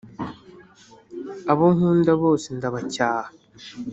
Abo nkunda bose ndabacyaha,